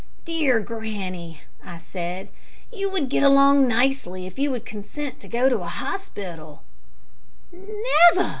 "Dear granny," I said, "you would get along nicely if you would consent to go to a hospital." "Never!"